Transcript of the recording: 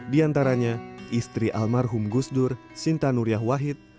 di antaranya istri almarhum gus dur sinta nuriyah wahid